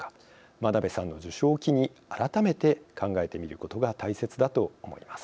真鍋さんの受賞を機に改めて考えてみることが大切だと思います。